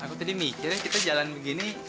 aku tadi mikirnya kita jalan begini